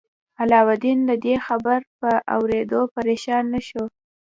علاوالدین د دې خبر په اوریدو پریشان نه شو.